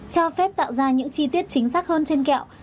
cho phép tạo ra những chi tiết chính xác hơn trên kẹo